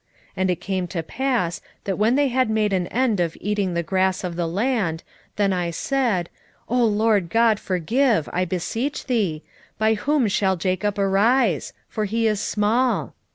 7:2 And it came to pass, that when they had made an end of eating the grass of the land, then I said, O Lord GOD, forgive, I beseech thee: by whom shall Jacob arise? for he is small.